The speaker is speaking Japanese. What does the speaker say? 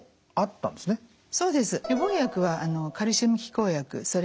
そうです。